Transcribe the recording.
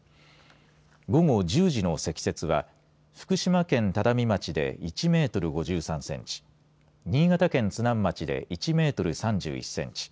午後１０時の積雪は福島県只見町で１メートル５３センチ新潟県津南町で１メートル３１センチ